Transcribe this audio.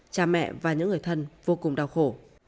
cha mẹ và những người thân vô cùng đau khổ